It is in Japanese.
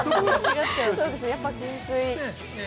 やっぱ懸垂。